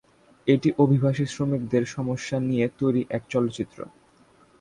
এটি, অভিবাসী শ্রমিকদের সমস্যা নিয়ে তৈরী এক চলচ্চিত্র।